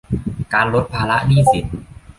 การลดภาระหนี้สิน